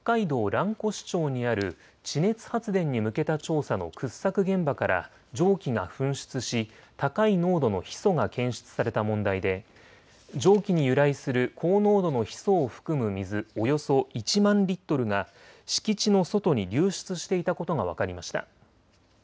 蘭越町にある地熱発電に向けた調査の掘削現場から蒸気が噴出し高い濃度のヒ素が検出された問題で蒸気に由来する高濃度のヒ素を含む水およそ１万リットルが敷地の外に流出していたことが分かりました。